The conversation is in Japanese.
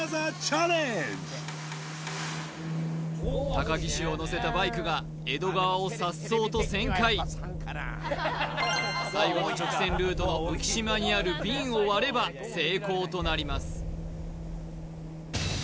高岸を乗せたバイクが江戸川をさっそうと旋回最後の直線ルートの浮島にあるビンを割れば成功となります